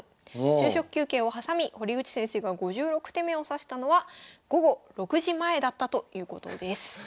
昼食休憩を挟み堀口先生が５６手目を指したのは午後６時前だったということです。